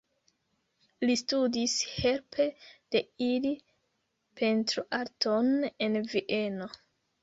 Li studis helpe de ili pentroarton en Vieno.